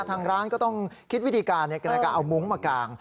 ทางร้านก็ต้องคิดวิธีการในกรณากรรมก็เรามากาง